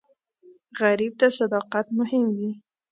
غریب ته صداقت مهم وي